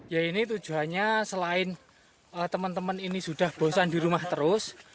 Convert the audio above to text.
ya ini tujuannya selain teman teman ini sudah bosan di rumah terus